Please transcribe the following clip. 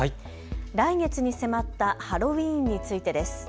来月に迫ったハロウィーンについてです。